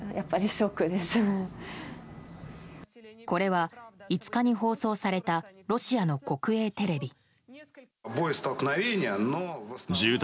これは、５日に放送されたロシアの国営テレビ。